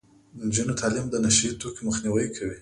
د نجونو تعلیم د نشه يي توکو مخنیوی کوي.